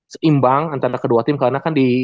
seimbang antara kedua tim karena kan di